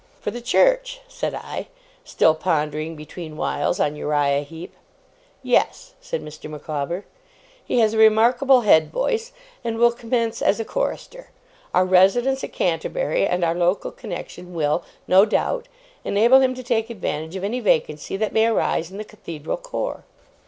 'For the Church?' said I, still pondering, between whiles, on Uriah Heep. 'Yes,' said Mr. Micawber. 'He has a remarkable head voice, and will commence as a chorister. Our residence at Canterbury, and our local connexion, will, no doubt, enable him to take advantage of any vacancy that may arise in the Cathedral corps.